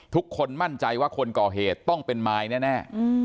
ทุกคนมั่นใจว่าคนก่อเหตุต้องเป็นมายแน่